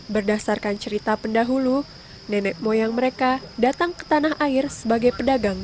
berdasarkan cerita pendahulu nenek moyang mereka datang ke tanah air sebagai pedagang